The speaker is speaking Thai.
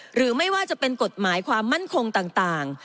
หรือไม่ว่าจะเป็นกฎหมายความมั่นคงต่าง